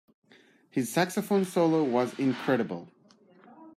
His saxophone solo was incredible.